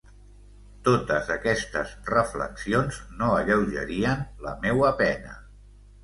Totes aquestes reflexions no alleugerien la meua pena.